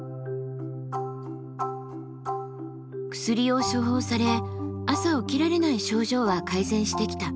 薬を処方され朝起きられない症状は改善してきた。